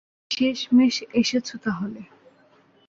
শেষমেশ এসেছ তাহলে।